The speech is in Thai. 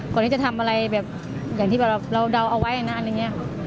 คนนี้จะทำอะไรแบบอย่างที่แบบเราเดาเอาไว้นะอะไรอย่างนี้